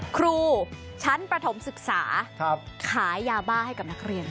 ครูชั้นประถมศึกษาขายยาบ้าให้กับนักเรียน